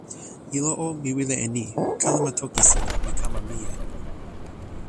ilo o, mi wile e ni: kalama toki sina li kama mije.